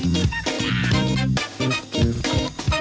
เวลา